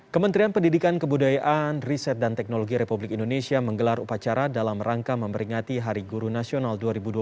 kementerian pendidikan kebudayaan riset dan teknologi republik indonesia menggelar upacara dalam rangka memberingati hari guru nasional dua ribu dua puluh